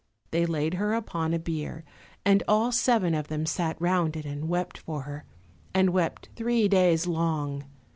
They laid her upon a bier, and all seven of them sat round it and wept for her, and wept three days long.